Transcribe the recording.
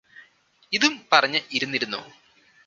ഇതും പറഞ്ഞ് ഇരുന്നിരുന്നു